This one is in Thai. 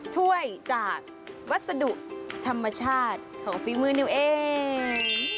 ถ้วยจากวัสดุธรรมชาติของฝีมือนิวเอง